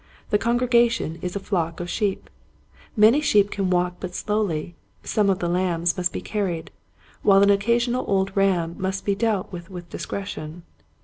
The congregation is a flock of sheep. Many sheep can walk but slowly, some of the lambs must be carried, while an occasional old ram must be dealt with with discretion.